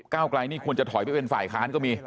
เก้าไกลนี่ควรจะถอยไปเป็นฝ่ายค้านก็มี